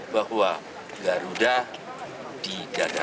bahwa garuda didadak